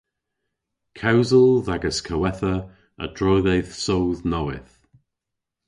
Kewsel dh'agas kowetha a'dro dhe'th soodh nowydh.